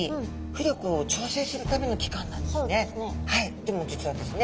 でも実はですね